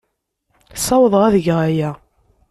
Ssawḍeɣ ad geɣ aya.